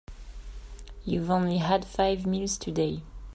You've only had five meals today.